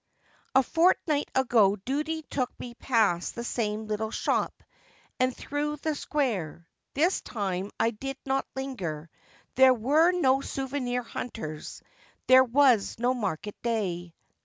A fortnight ago duty took me past the same little shop and through the square. This time I did not linger — there were no souvenir hunters ; there was no market day.